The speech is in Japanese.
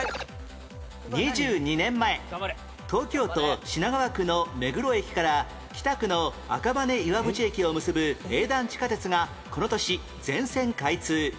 ２２年前東京都品川区の目黒駅から北区の赤羽岩淵駅を結ぶ営団地下鉄がこの年全線開通